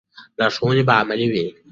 لارښوونې به عملي وي.